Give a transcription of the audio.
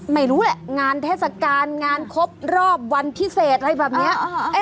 ไม่รู้แหละงานเทศกาลงานครบรอบวันพิเศษอะไรแบบนี้